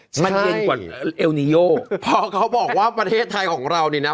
มันเย็นกว่าเอลนิโยพอเขาบอกว่าประเทศไทยของเรานี่นะ